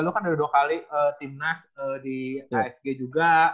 lu kan udah dua kali timnas di asg juga